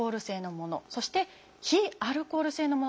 そして非アルコール性のもの。